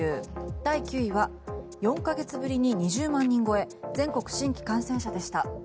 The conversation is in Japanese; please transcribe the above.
第９位は４か月ぶりに２０万人超え全国新規感染者でした。